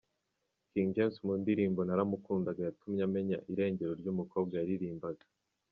King James mu ndirimbo Naramukundaga yatumye amenya irengero ry'umukobwa yaririmbaga.